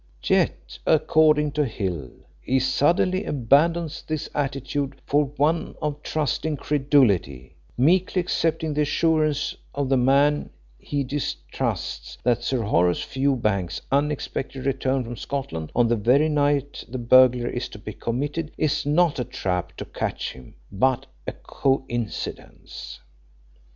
Yet, according to Hill, he suddenly abandons this attitude for one of trusting credulity, meekly accepting the assurance of the man he distrusts that Sir Horace Fewbanks's unexpected return from Scotland on the very night the burglary is to be committed is not a trap to catch him, but a coincidence.